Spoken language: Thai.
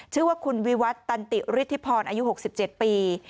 ชื่อว่าคุณวิวัตตันติฤทธิพรอายุ๖๗ปี